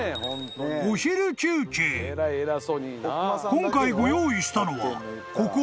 ［今回ご用意したのはここ］